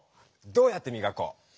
どうやってみがこう？